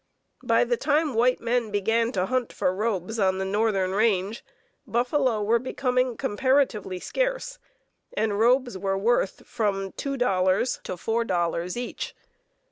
By the time white men began to hunt for robes on the northern range, buffalo were becoming comparatively scarce, and robes were worth from $2 to $4 each.